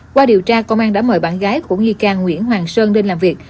qua điều tra công an đã mời bạn gái của nghi can nguyễn hoàng sơn lên làm việc